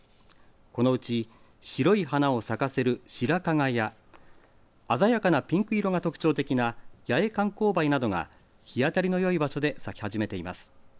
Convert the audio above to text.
このうち白い花を咲かせる白加賀や鮮やかなピンク色が特徴的な八重寒紅梅などが日当たりのよい場所で咲き始めています。